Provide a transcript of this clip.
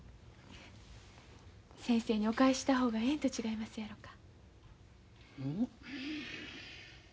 先生にお返しした方がええんと違いますやろか。